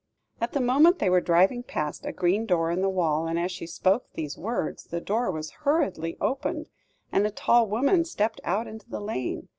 At the moment they were driving past a green door in the wall; and as she spoke these words, the door was hurriedly opened, and a tall woman stepped out into the lane.